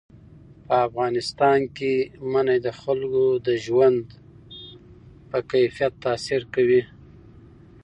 په افغانستان کې منی د خلکو د ژوند په کیفیت تاثیر کوي.